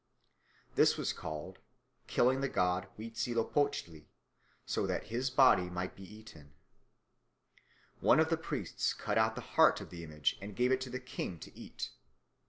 This was called "killing the god Huitzilopochtli so that his body might be eaten." One of the priests cut out the heart of the image and gave it to the king to eat.